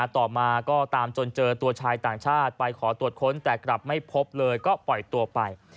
ต่อมาก็ตามจนเจอตัวชายต่างชาติไปขอตรวจค้นแต่กลับไม่พบเลยก็ปล่อยตัวไป